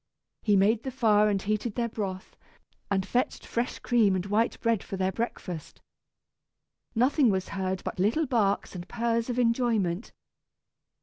He made the fire and heated their broth, and fetched fresh cream and white bread for their breakfast. Nothing was heard but little barks and purrs of enjoyment.